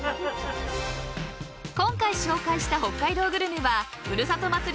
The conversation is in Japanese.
［今回紹介した北海道グルメはふるさと祭り